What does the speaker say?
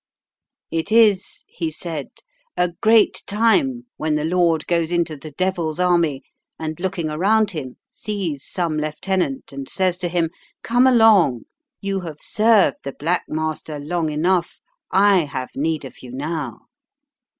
"It is," he said, "a great time when the Lord goes into the devil's army, and, looking around him, sees some lieutenant, and says to him, 'Come along; you have served the black master long enough, I have need of you now.'